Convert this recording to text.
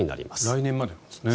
来年までなんですね。